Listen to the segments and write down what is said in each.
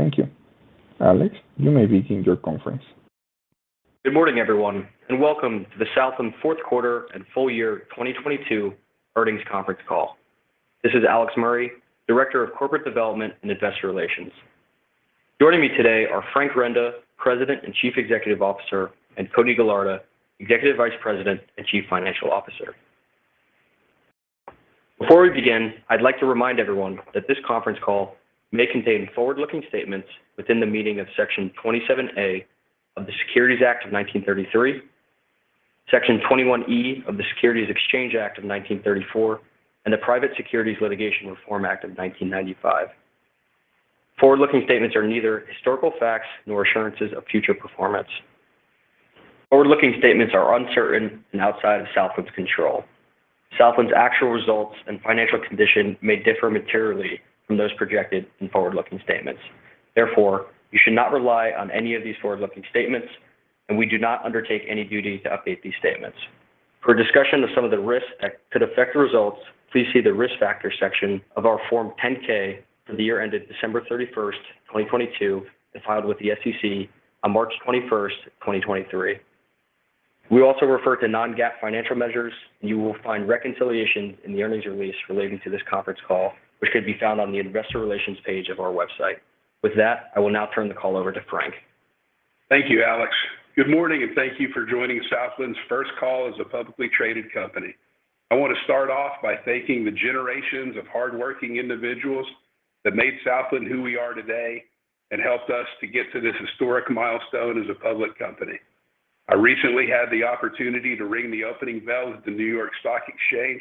Thank you. Alex, you may begin your conference. Good morning, everyone, welcome to the Southland fourth quarter and full year 2022 earnings conference call. This is Alex Murray, Director of Corporate Development and Investor Relations. Joining me today are Frank Renda, President and Chief Executive Officer, and Cody Gallarda, Executive Vice President and Chief Financial Officer. Before we begin, I'd like to remind everyone that this conference call may contain forward-looking statements within the meaning of Section 27A of the Securities Act of 1933, Section 21E of the Securities Exchange Act of 1934, and the Private Securities Litigation Reform Act of 1995. Forward-looking statements are neither historical facts nor assurances of future performance. Forward-looking statements are uncertain and outside of Southland's control. Southland's actual results and financial condition may differ materially from those projected in forward-looking statements. Therefore, you should not rely on any of these forward-looking statements, and we do not undertake any duty to update these statements. For a discussion of some of the risks that could affect the results, please see the risk factor section of our Form 10-K for the year ended December 31, 2022, and filed with the SEC on March 21, 2023. We also refer to non-GAAP financial measures. You will find reconciliation in the earnings release relating to this conference call, which could be found on the investor relations page of our website. With that, I will now turn the call over to Frank. Thank you, Alex. Good morning, and thank you for joining Southland's first call as a publicly traded company. I want to start off by thanking the generations of hardworking individuals that made Southland who we are today and helped us to get to this historic milestone as a public company. I recently had the opportunity to ring the opening bell at the New York Stock Exchange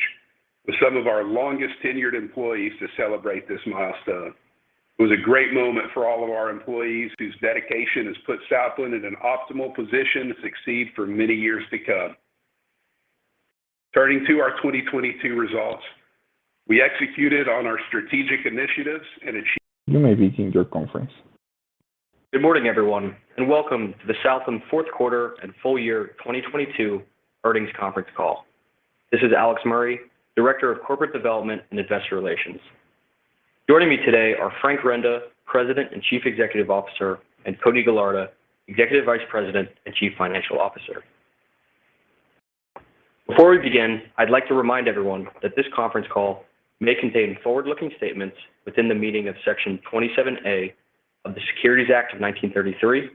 with some of our longest-tenured employees to celebrate this milestone. It was a great moment for all of our employees whose dedication has put Southland in an optimal position to succeed for many years to come. Turning to our 2022 results, we executed on our strategic initiatives and achieved- You may begin your conference. Good morning, everyone, welcome to the Southland fourth quarter and full year 2022 earnings conference call. This is Alex Murray, Director of Corporate Development and Investor Relations. Joining me today are Frank Renda, President and Chief Executive Officer, and Cody Gallarda, Executive Vice President and Chief Financial Officer. Before we begin, I'd like to remind everyone that this conference call may contain forward-looking statements within the meaning of Section 27A of the Securities Act of 1933,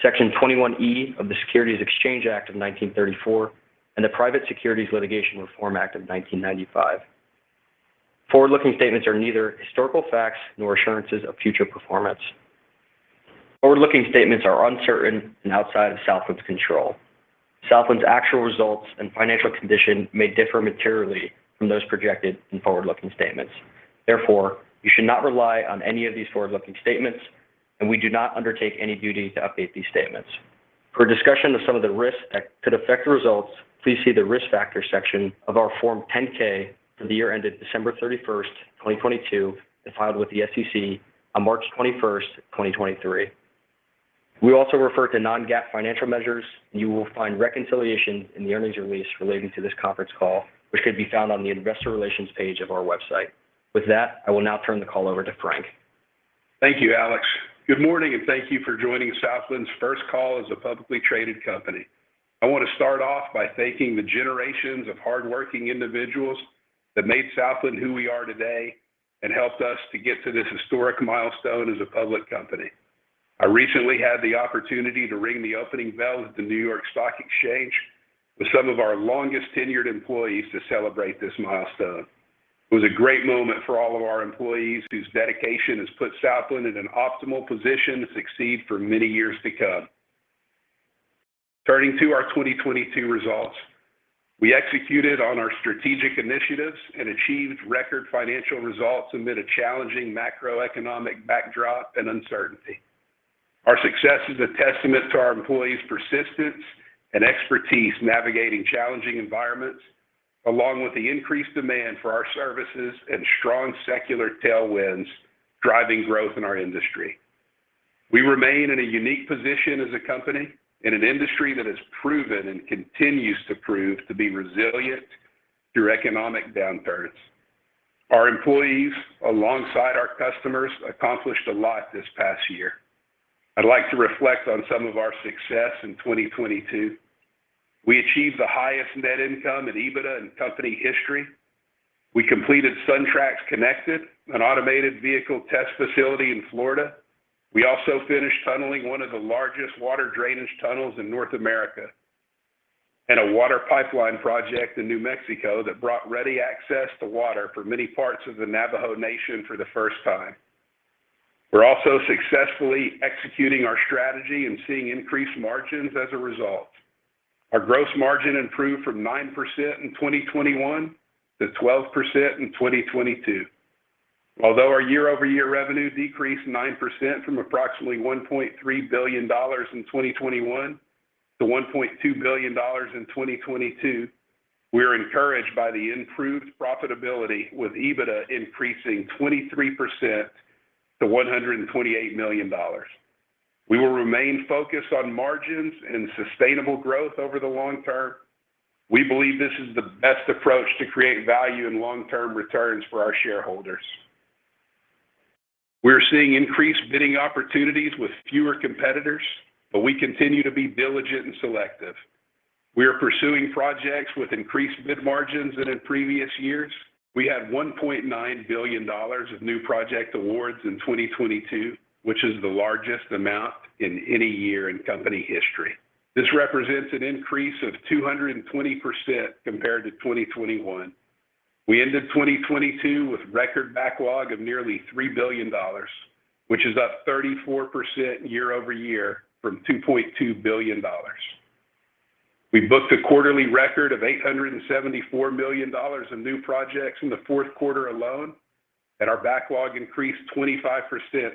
Section 21E of the Securities Exchange Act of 1934, and the Private Securities Litigation Reform Act of 1995. Forward-looking statements are neither historical facts nor assurances of future performance. Forward-looking statements are uncertain and outside of Southland's control. Southland's actual results and financial condition may differ materially from those projected in forward-looking statements. Therefore, you should not rely on any of these forward-looking statements, and we do not undertake any duty to update these statements. For a discussion of some of the risks that could affect the results, please see the risk factor section of our Form 10-K for the year ended December 31, 2022, and filed with the SEC on March 21, 2023. We also refer to non-GAAP financial measures. You will find reconciliation in the earnings release relating to this conference call, which could be found on the investor relations page of our website. With that, I will now turn the call over to Frank. Thank you, Alex. Good morning, thank you for joining Southland's first call as a publicly traded company. I want to start off by thanking the generations of hardworking individuals that made Southland who we are today and helped us to get to this historic milestone as a public company. I recently had the opportunity to ring the opening bell at the New York Stock Exchange with some of our longest tenured employees to celebrate this milestone. It was a great moment for all of our employees whose dedication has put Southland in an optimal position to succeed for many years to come. Turning to our 2022 results, we executed on our strategic initiatives and achieved record financial results amid a challenging macroeconomic backdrop and uncertainty. Our success is a testament to our employees' persistence and expertise navigating challenging environments, along with the increased demand for our services and strong secular tailwinds driving growth in our industry. We remain in a unique position as a company in an industry that has proven and continues to prove to be resilient through economic downturns. Our employees, alongside our customers, accomplished a lot this past year. I'd like to reflect on some of our success in 2022. We achieved the highest net income in EBITDA in company history. We completed SunTrax Connected, an automated vehicle test facility in Florida. We also finished tunneling one of the largest water drainage tunnels in North America, and a water pipeline project in New Mexico that brought ready access to water for many parts of the Navajo Nation for the first time. We're also successfully executing our strategy and seeing increased margins as a result. Our gross margin improved from 9% in 2021 to 12% in 2022. Although our year-over-year revenue decreased 9% from approximately $1.3 billion in 2021 to $1.2 billion in 2022, we are encouraged by the improved profitability with EBITDA increasing 23% to $128 million. We will remain focused on margins and sustainable growth over the long term. We believe this is the best approach to create value and long-term returns for our shareholders. We're seeing increased bidding opportunities with fewer competitors. We continue to be diligent and selective. We are pursuing projects with increased bid margins than in previous years. We had $1.9 billion of new project awards in 2022, which is the largest amount in any year in company history. This represents an increase of 220% compared to 2021. We ended 2022 with record backlog of nearly $3 billion, which is up 34% year-over-year from $2.2 billion. We booked a quarterly record of $874 million of new projects in the fourth quarter alone, and our backlog increased 25%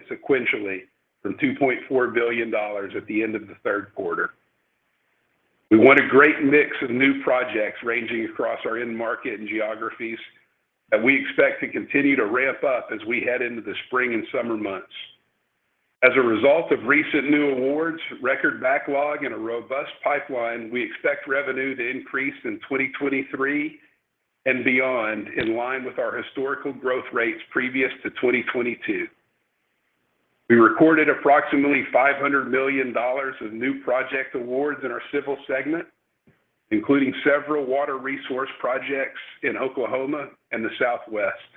sequentially from $2.4 billion at the end of the third quarter. We won a great mix of new projects ranging across our end market and geographies that we expect to continue to ramp up as we head into the spring and summer months. As a result of recent new awards, record backlog, and a robust pipeline, we expect revenue to increase in 2023 and beyond in line with our historical growth rates previous to 2022. We recorded approximately $500 million of new project awards in our civil segment, including several water resource projects in Oklahoma and the Southwest.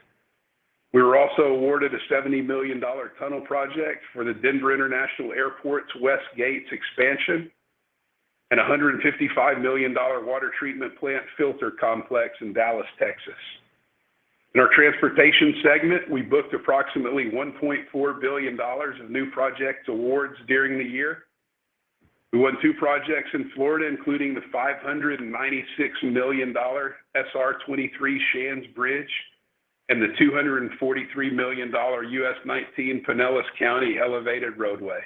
We were also awarded a $70 million tunnel project for the Denver International Airport's West Gates expansion and a $155 million water treatment plant filter complex in Dallas, Texas. In our transportation segment, we booked approximately $1.4 billion of new project awards during the year. We won two projects in Florida, including the $596 million SR 23 Shands Bridge and the $243 million US 19 Pinellas County elevated roadway.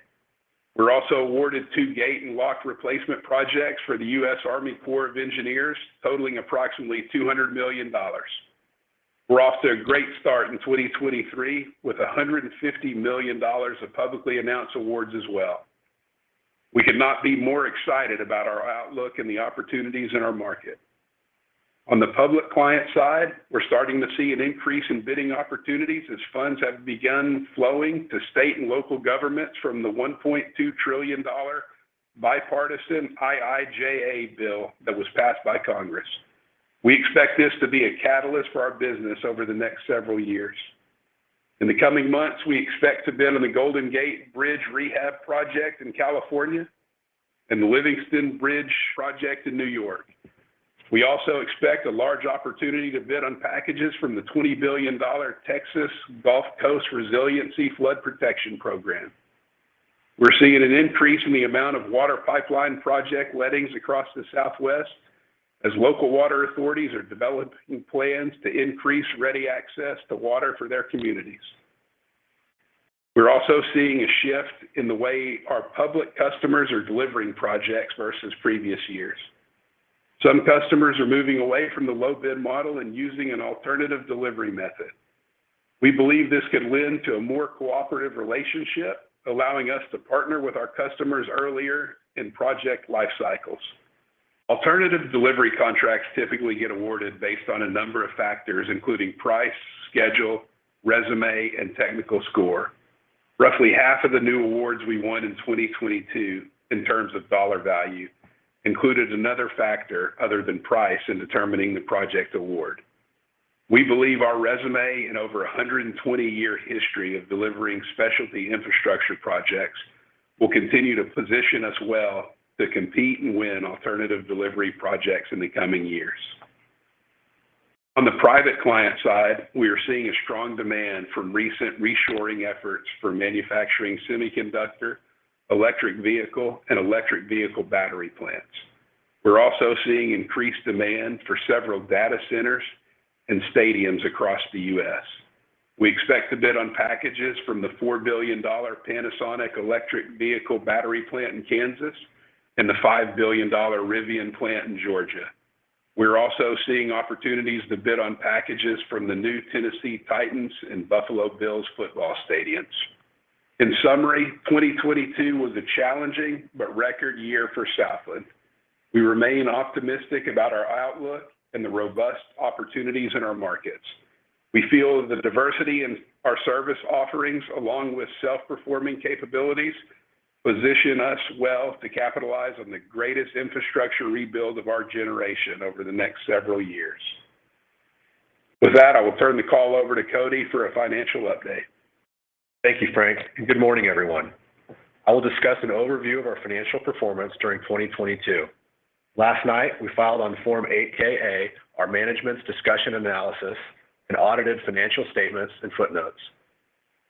We're also awarded two gate and lock replacement projects for the US Army Corps of Engineers, totaling approximately $200 million. We're off to a great start in 2023 with $150 million of publicly announced awards as well. We could not be more excited about our outlook and the opportunities in our market. On the public client side, we're starting to see an increase in bidding opportunities as funds have begun flowing to state and local governments from the $1.2 trillion bipartisan IIJA bill that was passed by Congress. We expect this to be a catalyst for our business over the next several years. In the coming months, we expect to bid on the Golden Gate Bridge rehab project in California and the Livingston Avenue Bridge project in New York. We also expect a large opportunity to bid on packages from the $20 billion Texas Gulf Coast Resiliency Flood Protection Program. We're seeing an increase in the amount of water pipeline project lettings across the Southwest as local water authorities are developing plans to increase ready access to water for their communities. We're also seeing a shift in the way our public customers are delivering projects versus previous years. Some customers are moving away from the low bid model and using an alternative delivery method. We believe this could lend to a more cooperative relationship, allowing us to partner with our customers earlier in project life cycles. Alternative delivery contracts typically get awarded based on a number of factors, including price, schedule, resume, and technical score. Roughly half of the new awards we won in 2022 in terms of dollar value included another factor other than price in determining the project award. We believe our resume and over a 120-year history of delivering specialty infrastructure projects will continue to position us well to compete and win alternative delivery projects in the coming years. On the private client side, we are seeing a strong demand from recent reshoring efforts for manufacturing semiconductor, electric vehicle, and electric vehicle battery plants. We're also seeing increased demand for several data centers and stadiums across the U.S. We expect to bid on packages from the $4 billion Panasonic electric vehicle battery plant in Kansas and the $5 billion Rivian plant in Georgia. We're also seeing opportunities to bid on packages from the new Tennessee Titans and Buffalo Bills football stadiums. In summary, 2022 was a challenging but record year for Southland. We remain optimistic about our outlook and the robust opportunities in our markets. We feel the diversity in our service offerings along with self-performing capabilities position us well to capitalize on the greatest infrastructure rebuild of our generation over the next several years. With that, I will turn the call over to Cody for a financial update. Thank you, Frank, and good morning, everyone. I will discuss an overview of our financial performance during 2022. Last night, we filed on Form 8-K our management's discussion analysis and audited financial statements and footnotes.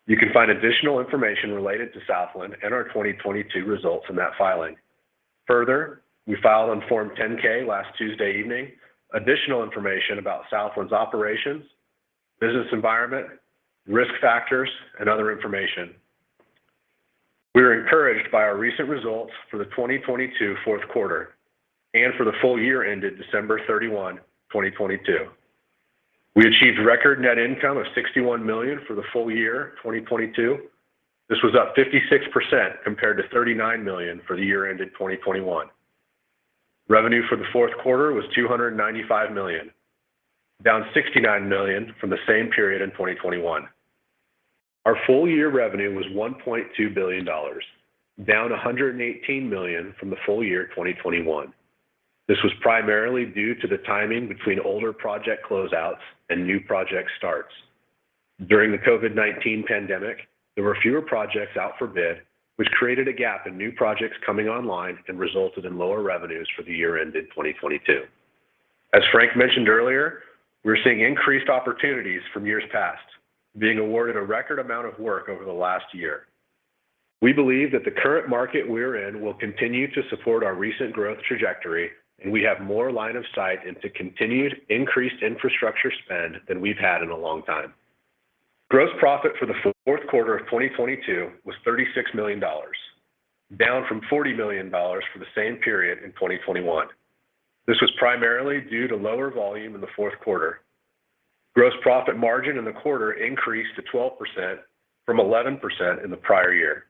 You can find additional information related to Southland and our 2022 results in that filing. Further, we filed on Form 10-K last Tuesday evening additional information about Southland's operations, business environment, risk factors, and other information. We are encouraged by our recent results for the 2022 fourth quarter and for the full year ended December 31, 2022. We achieved record net income of $61 million for the full year 2022. This was up 56% compared to $39 million for the year ended 2021. Revenue for the fourth quarter was $295 million, down $69 million from the same period in 2021. Our full year revenue was $1.2 billion, down $118 million from the full year 2021. This was primarily due to the timing between older project closeouts and new project starts. During the COVID-19 pandemic, there were fewer projects out for bid, which created a gap in new projects coming online and resulted in lower revenues for the year ended 2022. As Frank mentioned earlier, we're seeing increased opportunities from years past, being awarded a record amount of work over the last year. We believe that the current market we're in will continue to support our recent growth trajectory, and we have more line of sight into continued increased infrastructure spend than we've had in a long time. Gross profit for the fourth quarter of 2022 was $36 million, down from $40 million for the same period in 2021. This was primarily due to lower volume in the fourth quarter. Gross profit margin in the quarter increased to 12% from 11% in the prior year.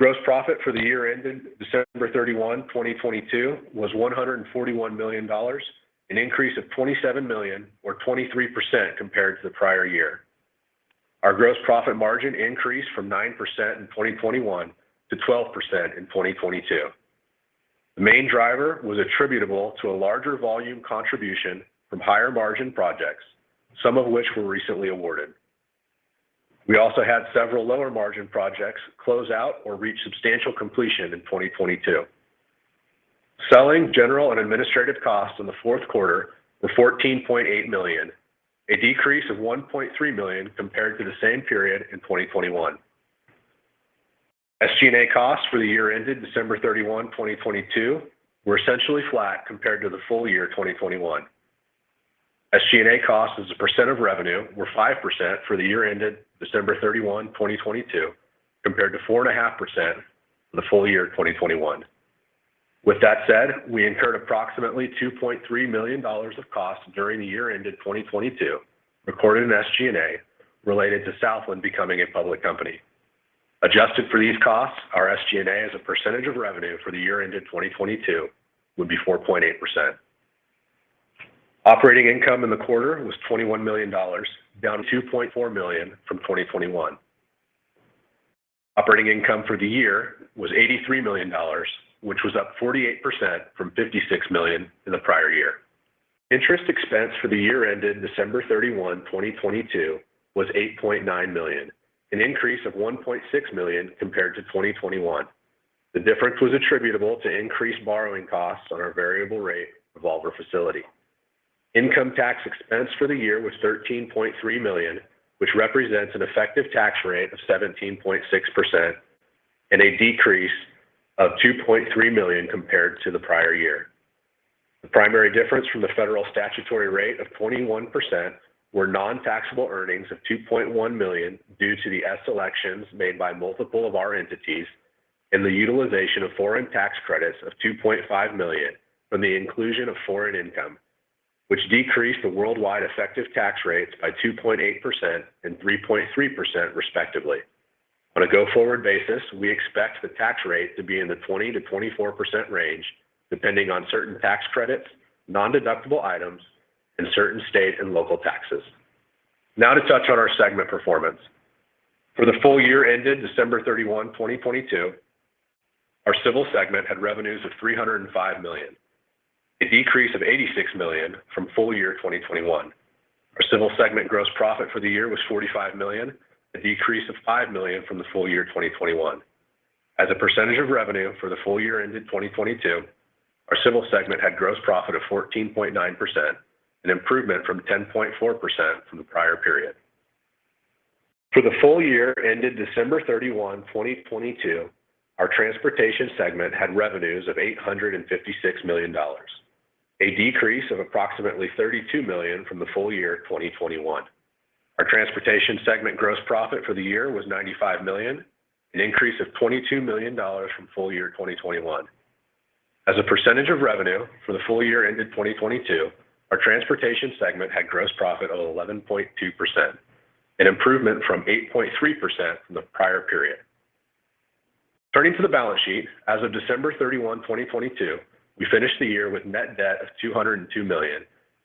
Gross profit for the year ended December 31, 2022 was $141 million, an increase of $27 million or 23% compared to the prior year. Our gross profit margin increased from 9% in 2021 to 12% in 2022. The main driver was attributable to a larger volume contribution from higher margin projects, some of which were recently awarded. We also had several lower margin projects close out or reach substantial completion in 2022. Selling general and administrative costs in the fourth quarter were $14.8 million, a decrease of $1.3 million compared to the same period in 2021. SG&A costs for the year ended December 31, 2022 were essentially flat compared to the full year 2021. SG&A costs as a % of revenue were 5% for the year ended December 31, 2022, compared to 4.5% for the full year 2021. With that said, we incurred approximately $2.3 million of costs during the year ended 2022, recorded in SG&A related to Southland becoming a public company. Adjusted for these costs, our SG&A as a % of revenue for the year ended 2022 would be 4.8%. Operating income in the quarter was $21 million, down $2.4 million from 2021. Operating income for the year was $83 million, which was up 48% from $56 million in the prior year. Interest expense for the year ended December 31, 2022 was $8.9 million, an increase of $1.6 million compared to 2021. The difference was attributable to increased borrowing costs on our variable rate revolver facility. Income tax expense for the year was $13.3 million, which represents an effective tax rate of 17.6% and a decrease of $2.3 million compared to the prior year. The primary difference from the federal statutory rate of 21% were nontaxable earnings of $2.1 million due to the S elections made by multiple of our entities and the utilization of foreign tax credits of $2.5 million from the inclusion of foreign income, which decreased the worldwide effective tax rates by 2.8% and 3.3% respectively. On a go-forward basis, we expect the tax rate to be in the 20%-24% range, depending on certain tax credits, nondeductible items, and certain state and local taxes. To touch on our segment performance. For the full year ended December 31, 2022, our civil segment had revenues of $305 million, a decrease of $86 million from full year 2021. Our civil segment gross profit for the year was $45 million, a decrease of $5 million from the full year 2021. As a percentage of revenue for the full year ended 2022, our civil segment had gross profit of 14.9%, an improvement from 10.4% from the prior period. For the full year ended December 31, 2022, our transportation segment had revenues of $856 million, a decrease of approximately $32 million from the full year 2021. Our transportation segment gross profit for the year was $95 million, an increase of $22 million from full year 2021. As a percentage of revenue for the full year ended 2022, our transportation segment had gross profit of 11.2%, an improvement from 8.3% from the prior period. Turning to the balance sheet, as of December 31, 2022, we finished the year with net debt of $202 million,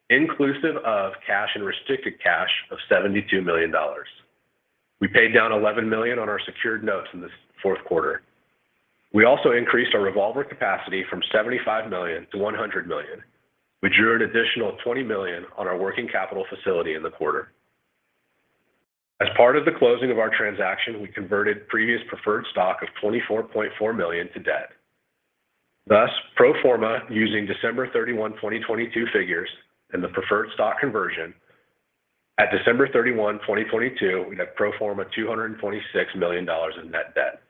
inclusive of cash and restricted cash of $72 million. We paid down $11 million on our secured notes in the 4th quarter. We also increased our revolver capacity from $75 million to $100 million. We drew an additional $20 million on our working capital facility in the quarter. As part of the closing of our transaction, we converted previous preferred stock of $24.4 million to debt. Pro forma using December 31, 2022 figures in the preferred stock conversion. At December 31, 2022, we have pro forma $226 million in net debt.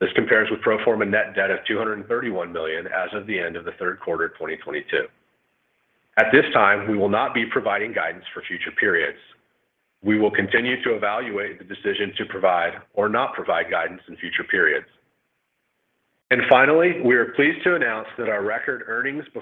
This compares with pro forma net debt of $231 million as of the end of the third quarter 2022. At this time, we will not be providing guidance for future periods. We will continue to evaluate the decision to provide or not provide guidance in future periods. Finally, we are pleased to announce that our record EBITDA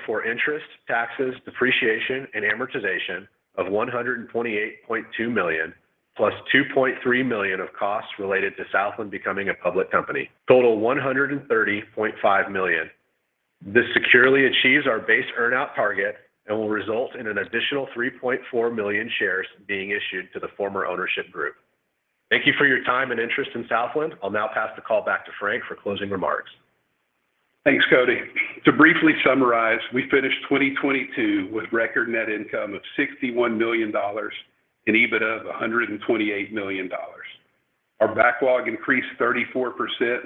of $128.2 million plus $2.3 million of costs related to Southland becoming a public company total $130.5 million. This securely achieves our base earn-out target and will result in an additional 3.4 million shares being issued to the former ownership group. Thank you for your time and interest in Southland. I'll now pass the call back to Frank for closing remarks. Thanks, Cody. To briefly summarize, we finished 2022 with record net income of $61 million and EBITDA of $128 million. Our backlog increased 34%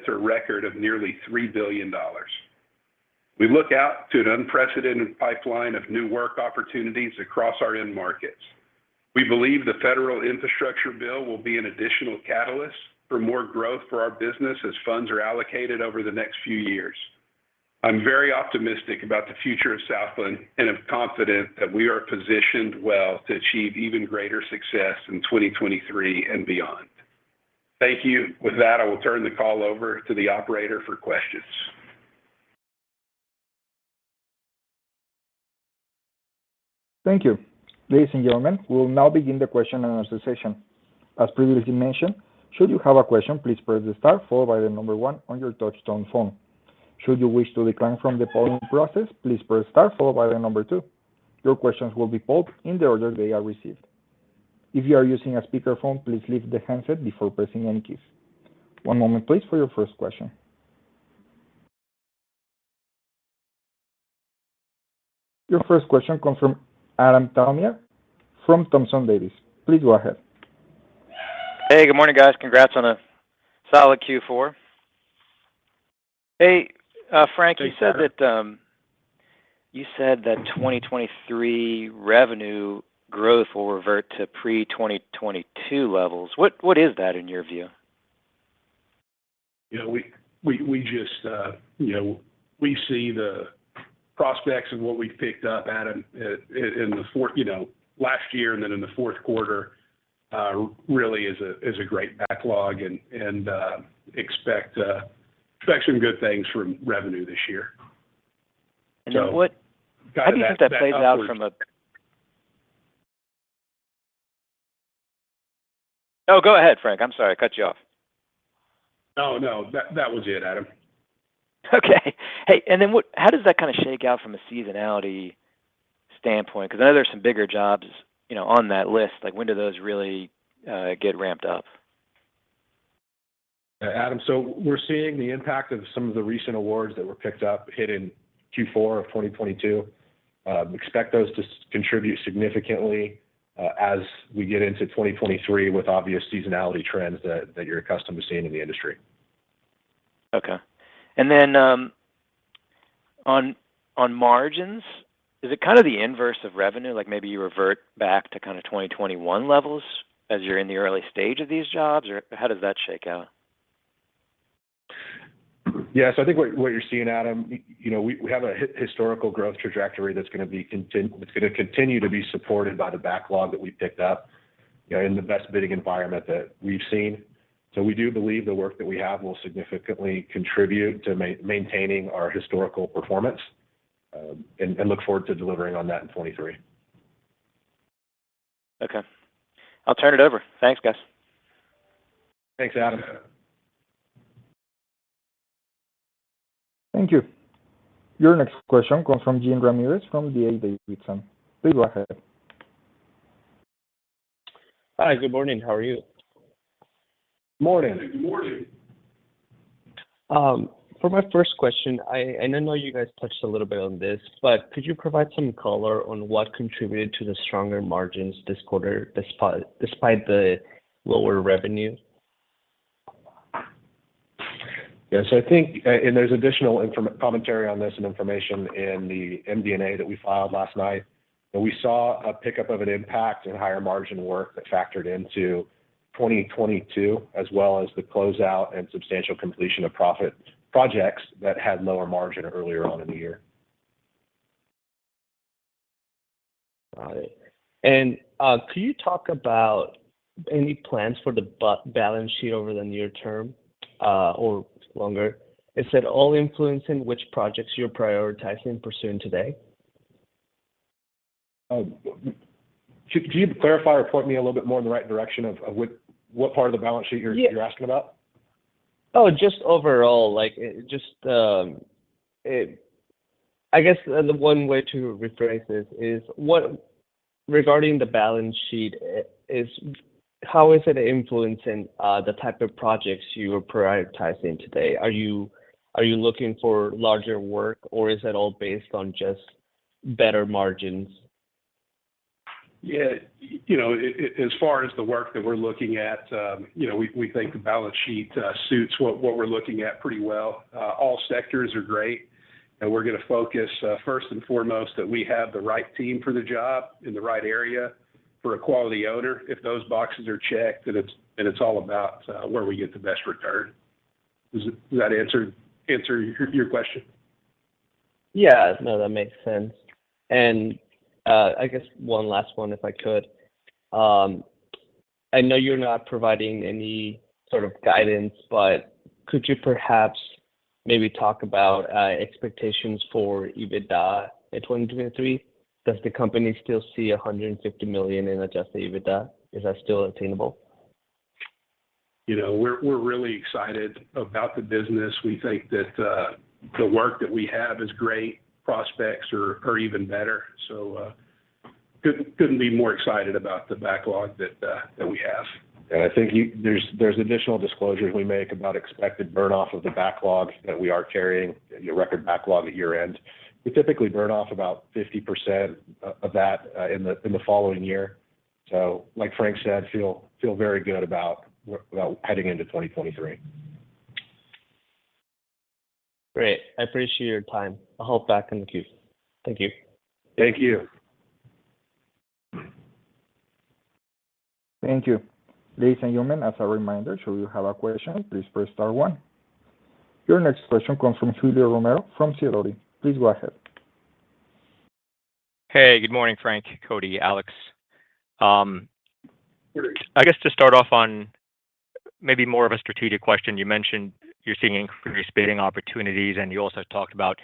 to a record of nearly $3 billion. We look out to an unprecedented pipeline of new work opportunities across our end markets. We believe the federal infrastructure bill will be an additional catalyst for more growth for our business as funds are allocated over the next few years. I'm very optimistic about the future of Southland and am confident that we are positioned well to achieve even greater success in 2023 and beyond. Thank you. I will turn the call over to the operator for questions. Thank you. Ladies and gentlemen, we will now begin the question and answer session. As previously mentioned, should you have a question, please press star followed by the number one on your touchtone phone. Should you wish to decline from the polling process, please press star followed by the number two. Your questions will be polled in the order they are received. If you are using a speakerphone, please lift the handset before pressing any keys. One moment, please, for your first question. Your first question comes from Adam Thalhimer from Thompson Davis. Please go ahead. Hey, good morning, guys. Congrats on a solid Q4. Hey, Frank Renda, you said that 2023 revenue growth will revert to pre-2022 levels. What is that in your view? You know, we just, you know, we see the prospects of what we've picked up, Adam, you know, last year and then in the fourth quarter, really is a great backlog and expect some good things from revenue this year. And then what- Got to back that up with. How does that play out? No, go ahead, Frank. I'm sorry I cut you off. No, no. That was it, Adam. Okay. Hey, then how does that kind of shake out from a seasonality standpoint? I know there's some bigger jobs, you know, on that list. Like, when do those really get ramped up? Adam, we're seeing the impact of some of the recent awards that were picked up hit in Q4 of 2022. Expect those to contribute significantly as we get into 2023 with obvious seasonality trends that you're accustomed to seeing in the industry. Okay. On margins, is it kind of the inverse of revenue? Like maybe you revert back to kind of 2021 levels as you're in the early stage of these jobs, or how does that shake out? I think what you're seeing, Adam, you know, we have a historical growth trajectory that's gonna continue to be supported by the backlog that we picked up in the best bidding environment that we've seen. We do believe the work that we have will significantly contribute to maintaining our historical performance, and look forward to delivering on that in 2023. Okay. I'll turn it over. Thanks, guys. Thanks, Adam. Thank you. Your next question comes from Jean Ramirez from D.A. Davidson. Please go ahead. Hi. Good morning. How are you? Morning. Good morning. For my first question, I know you guys touched a little bit on this, but could you provide some color on what contributed to the stronger margins this quarter despite the lower revenue? Yeah. I think, and there's additional commentary on this and information in the MD&A that we filed last night. We saw a pickup of an impact in higher margin work that factored into 2022, as well as the closeout and substantial completion of profit projects that had lower margin earlier on in the year. Got it. Could you talk about any plans for the balance sheet over the near term, or longer? Is it at all influencing which projects you're prioritizing pursuing today? Could you clarify or point me a little bit more in the right direction of what part of the balance sheet you're asking about? Just overall. Like just, I guess the one way to rephrase this is regarding the balance sheet, how is it influencing the type of projects you are prioritizing today? Are you looking for larger work, or is it all based on just better margins? Yeah. You know, as far as the work that we're looking at, you know, we think the balance sheet suits what we're looking at pretty well. All sectors are great, we're gonna focus first and foremost, that we have the right team for the job in the right area for a quality owner. If those boxes are checked, then it's all about where we get the best return. Does that answer your question? No, that makes sense. I guess one last one, if I could. I know you're not providing any sort of guidance, but could you perhaps maybe talk about expectations for EBITDA in 2023? Does the company still see $150 million in adjusted EBITDA? Is that still attainable? You know, we're really excited about the business. We think that the work that we have is great. Prospects are even better. Couldn't be more excited about the backlog that we have. I think you, there's additional disclosures we make about expected burn off of the backlog that we are carrying, your record backlog at year-end. We typically burn off about 50% of that in the following year. Like Frank said, feel very good about well, heading into 2023. Great. I appreciate your time. I'll hop back in the queue. Thank you. Thank you. Thank you. Thank you. Ladies and gentlemen, as a reminder, should you have a question, please press star one. Your next question comes from Julio Romero from Sidoti. Please go ahead. Hey, good morning, Frank, Cody, Alex. Good morning. I guess to start off on maybe more of a strategic question, you mentioned you're seeing increased bidding opportunities, and you also talked about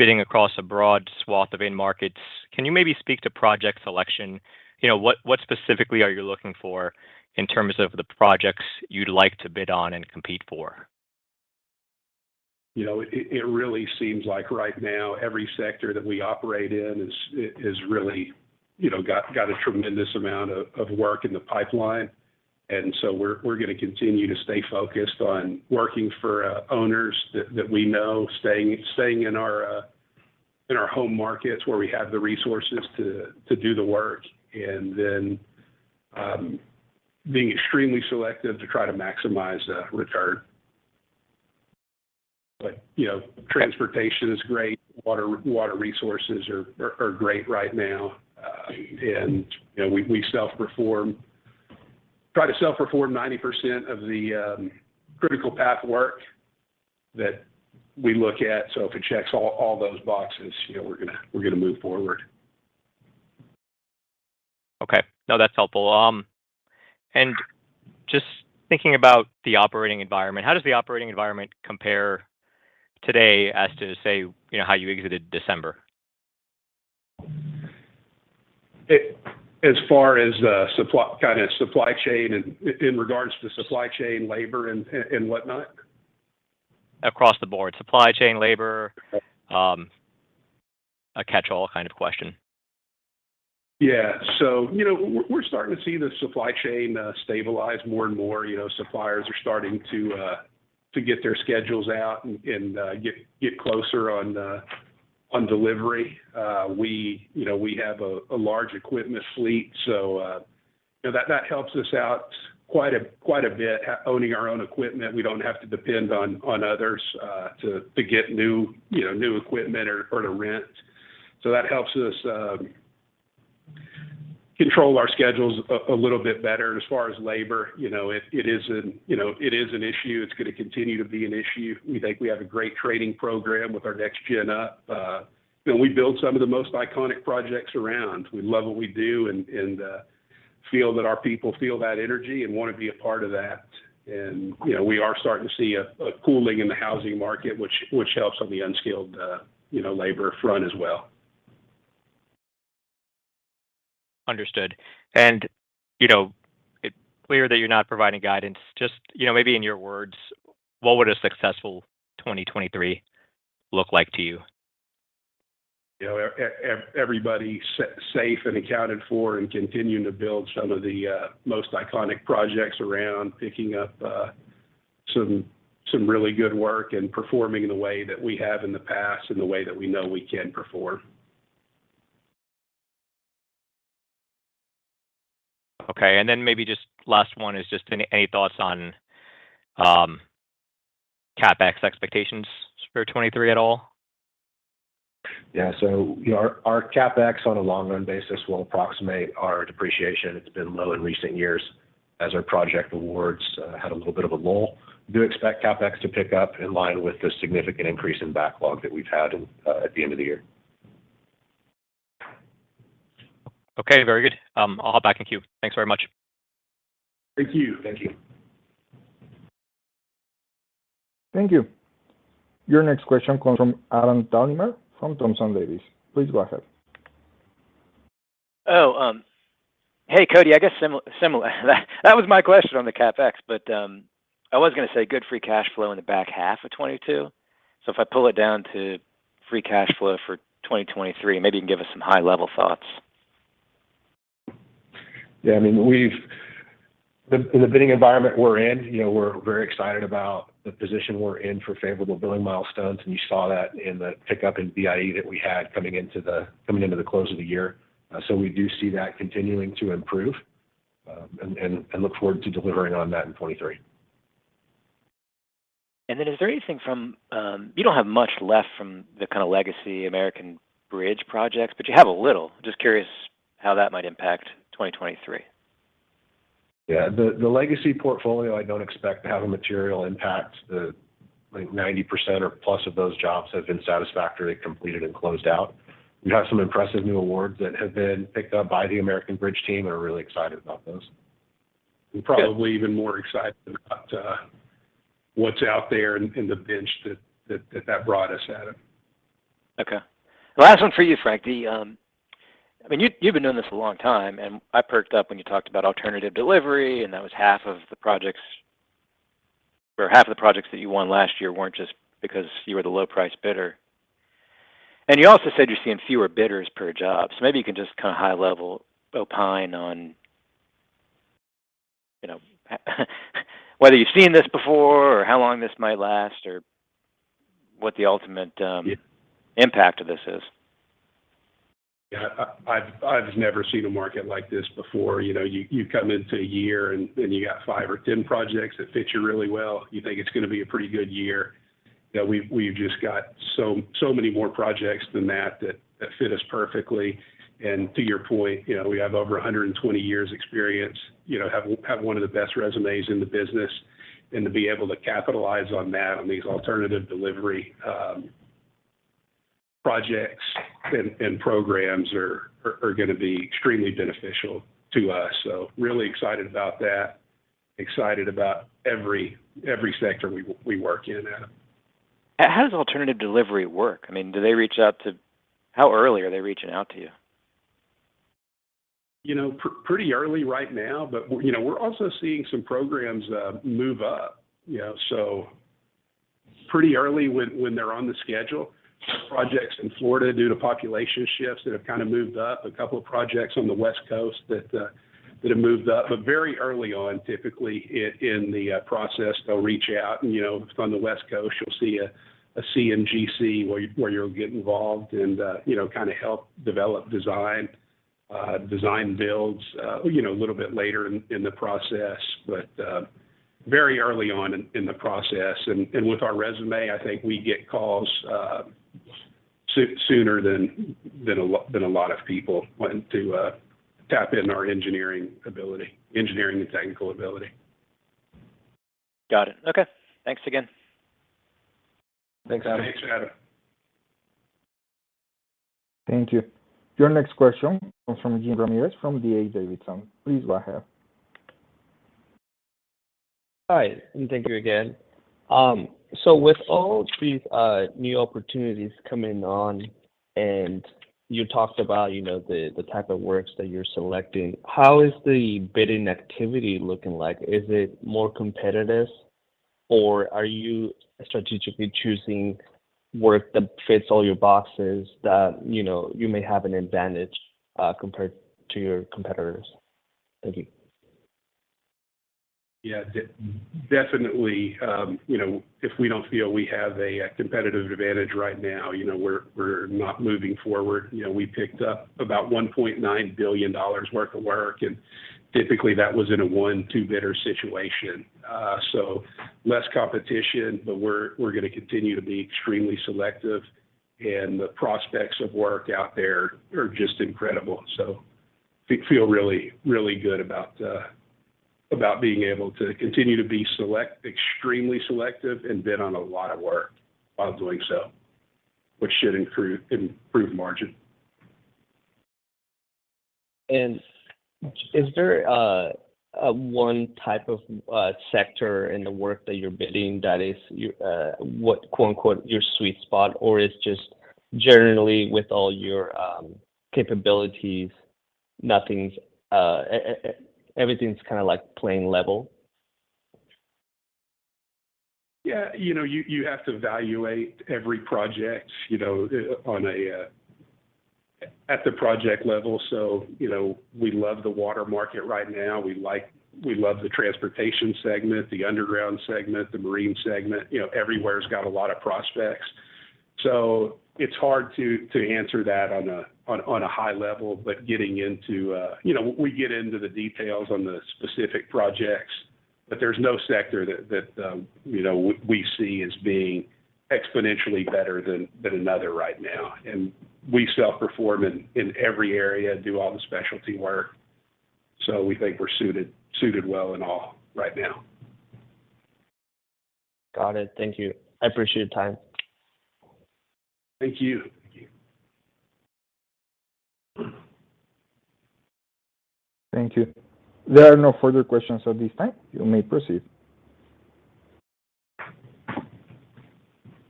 bidding across a broad swath of end markets. Can you maybe speak to project selection? You know, what specifically are you looking for in terms of the projects you'd like to bid on and compete for? You know, it really seems like right now every sector that we operate in is really, you know, got a tremendous amount of work in the pipeline. We're gonna continue to stay focused on working for owners that we know, staying in our home markets where we have the resources to do the work, and then being extremely selective to try to maximize the return. You know, transportation is great. Water resources are great right now. And, you know, we self-perform. Try to self-perform 90% of the critical path work that we look at. If it checks all those boxes, you know, we're gonna move forward. Okay. No, that's helpful. Just thinking about the operating environment, how does the operating environment compare today as to say, you know, how you exited December? As far as the supply, kind of supply chain and in regards to supply chain labor and whatnot? Across the board. Supply chain, labor, a catchall kind of question. Yeah. So, you know, we're starting to see the supply chain stabilize more and more. You know, suppliers are starting to get their schedules out and get closer on delivery. We, you know, we have a large equipment fleet, so, you know, that helps us out quite a bit. Owning our own equipment, we don't have to depend on others to get new equipment or to rent. So that helps us control our schedules a little bit better. And as far as labor, you know, it is an issue. It's gonna continue to be an issue. We think we have a great training program with our next gen up. You know, we build some of the most iconic projects around. We love what we do and feel that our people feel that energy and want to be a part of that. You know, we are starting to see a cooling in the housing market, which helps on the unskilled, you know, labor front as well. Understood. You know, it's clear that you're not providing guidance. Just, you know, maybe in your words, what would a successful 2023 look like to you? You know, everybody safe and accounted for and continuing to build some of the most iconic projects around, picking up some really good work and performing the way that we have in the past and the way that we know we can perform. Okay. Then maybe just last one is just any thoughts on CapEx expectations for 2023 at all? You know, our CapEx on a long run basis will approximate our depreciation. It's been low in recent years as our project awards had a little bit of a lull. We do expect CapEx to pick up in line with the significant increase in backlog that we've had at the end of the year. Okay. Very good. I'll hop back in queue. Thanks very much. Thank you. Thank you. Thank you. Your next question comes from Adam Thalhimer from Thompson Davis. Please go ahead. Hey, Cody. I guess similar. That was my question on the CapEx, I was gonna say good free cash flow in the back half of 2022. If I pull it down to free cash flow for 2023, maybe you can give us some high level thoughts. Yeah, I mean, we've The bidding environment we're in, you know, we're very excited about the position we're in for favorable billing milestones, and you saw that in the pickup in BIE that we had coming into the close of the year. We do see that continuing to improve, and look forward to delivering on that in 2023. Is there anything from You don't have much left from the kind of legacy American Bridge projects, but you have a little. Just curious how that might impact 2023. The legacy portfolio, I don't expect to have a material impact. The, like, 90% or plus of those jobs have been satisfactorily completed and closed out. We have some impressive new awards that have been picked up by the American Bridge team. We're really excited about those. Probably even more excited about, what's out there in the bench that brought us, Adam. Okay. Last one for you, Frank. I mean, you've been doing this a long time, I perked up when you talked about alternative delivery, and that was half of the projects that you won last year weren't just because you were the low price bidder. You also said you're seeing fewer bidders per job. Maybe you can just kind of high level opine on, you know, whether you've seen this before or how long this might last or what the ultimate... Yeah impact of this is. Yeah. I've never seen a market like this before. You know, you come into a year and you got 5 or 10 projects that fit you really well, you think it's gonna be a pretty good year. You know, we've just got so many more projects than that fit us perfectly. To your point, you know, we have over 120 years experience, you know, have one of the best resumes in the business. To be able to capitalize on that, on these alternative delivery projects and programs are gonna be extremely beneficial to us. Really excited about that. Excited about every sector we work in, Adam. How does alternative delivery work? I mean, how early are they reaching out to you? You know, pretty early right now, but we're, you know, we're also seeing some programs move up, you know. Pretty early when they're on the schedule. Projects in Florida due to population shifts that have kind of moved up. A couple of projects on the West Coast that have moved up. Very early on, typically, in the process they'll reach out and, you know. If it's on the West Coast, you'll see a CMGC where you'll get involved and, you know, kind of help develop design builds, you know, a little bit later in the process. Very early on in the process. With our resume, I think we get calls, sooner than a lot of people wanting to tap into our engineering ability, engineering and technical ability. Got it. Okay. Thanks again. Thanks, Adam. Thanks, Adam. Thank you. Your next question comes from Jean Ramirez from D.A. Davidson. Please go ahead. Hi, thank you again. With all these new opportunities coming on, you talked about, you know, the type of works that you're selecting, how is the bidding activity looking like? Is it more competitive, or are you strategically choosing work that fits all your boxes that, you know, you may have an advantage compared to your competitors? Thank you. Yeah. Definitely, you know, if we don't feel we have a competitive advantage right now, you know, we're not moving forward. You know, we picked up about $1.9 billion worth of work. Typically that was in a one, two bidder situation. Less competition, we're gonna continue to be extremely selective. The prospects of work out there are just incredible. Feel really, really good about being able to continue to be extremely selective and bid on a lot of work while doing so, which should improve margin. Is there a one type of sector in the work that you're bidding that is your what quote-unquote your sweet spot, or is just generally with all your capabilities nothing's? Everything's kind of like playing level? Yeah. You know, you have to evaluate every project, you know, on a, at the project level. You know, we love the water market right now. We love the transportation segment, the underground segment, the marine segment. You know, everywhere has got a lot of prospects. It's hard to answer that on a high level. Getting into, you know, we get into the details on the specific projects, but there's no sector that, you know, we see as being exponentially better than another right now. We self-perform in every area, do all the specialty work. We think we're suited well in all right now. Got it. Thank you. I appreciate your time. Thank you. Thank you. Thank you. There are no further questions at this time. You may proceed.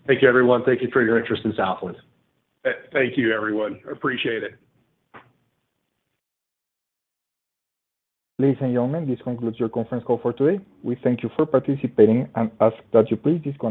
Thank you, everyone. Thank you for your interest in Southland. Thank you, everyone. Appreciate it. Ladies and gentlemen, this concludes your conference call for today. We thank you for participating and ask that you please disconnect.